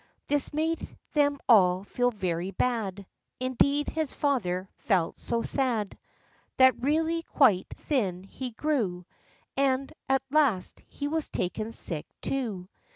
This made them all feel very bad; Indeed, his father felt so sad, That really quite thin he grew, And, at last, he was taken sick, too.